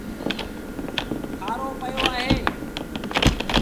کآرو پيو اهي۔